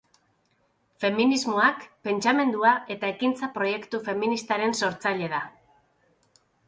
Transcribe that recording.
Feminismoak, pentsamendua eta ekintza proiektu feministaren sortzaile da.